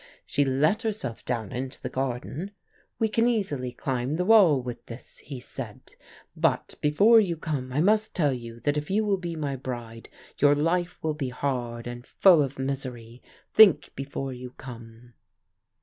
"She let herself down into the garden. 'We can easily climb the wall with this,' he said; 'but before you come I must tell you that if you will be my bride your life will be hard and full of misery. Think before you come.